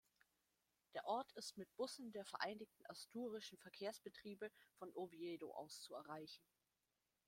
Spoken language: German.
Der Ort ist mit Bussen der Vereinigten Asturischen Verkehrsbetriebe von Oviedo aus zu erreichen.